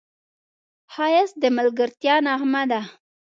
ښایست د ملګرتیا نغمه ده